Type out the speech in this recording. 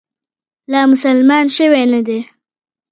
لا مسلمان شوی نه دی.